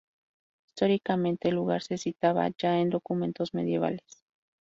Históricamente el lugar se citaba ya en documentos medievales.